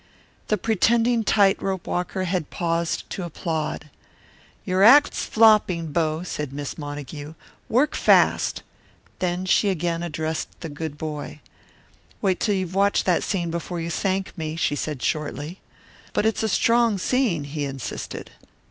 The pretending tight rope walker had paused to applaud. "Your act's flopping, Bo," said Miss Montague. "Work fast." Then she again addressed the good boy: "Wait till you've watched that scene before you thank me," she said shortly. "But it's a strong scene," he insisted.